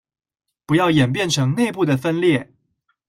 不要演變成内部的分裂